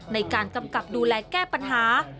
ในการกำกับดูแลแก้ปัญหา